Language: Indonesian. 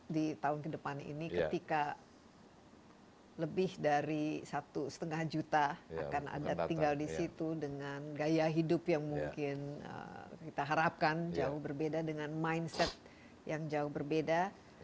di tahun ke depan ini ketika lebih dari satu lima juta akan ada tinggal di situ dengan gaya hidup yang mungkin kita harapkan jauh berbeda dengan mindset yang jauh berbeda